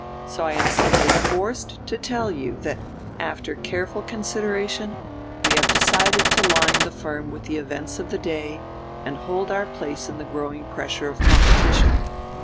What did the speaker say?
So I am simply forced to tell you that after careful consideration we have decided to line the firm with the events of the day and hold our place in the growing pressure of competition.